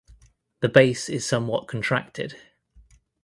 The base is somewhat contracted.